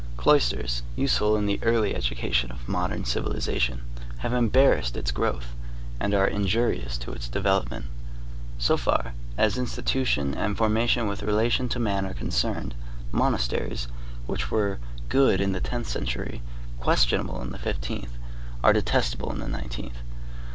Cloisters, useful in the early education of modern civilization, have embarrassed its growth, and are injurious to its development. So far as institution and formation with relation to man are concerned, monasteries, which were good in the tenth century, questionable in the fifteenth, are detestable in the nineteenth.